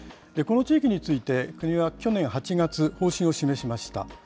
この地域について、国は去年８月、方針を示しました。